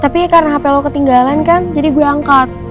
tapi karena hp lo ketinggalan kan jadi gue angkat